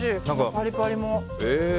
パリパリも。